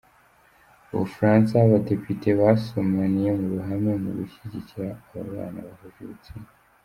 Ubufaransa Abadepite basomaniye mu ruhame mu gushyigikira ababana bahuje ibitsina